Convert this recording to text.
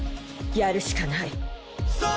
やるしかない。